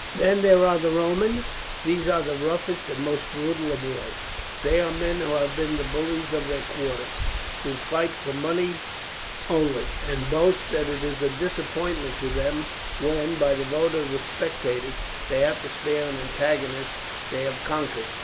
Then there are the Romans, these are the roughest and most brutal of all; they are men who have been the bullies of their quarters, who fight for money only, and boast that it is a disappointment to them when, by the vote of the spectators, they have to spare an antagonist they have conquered.